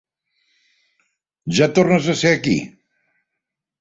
Ja tornes a ser aquí.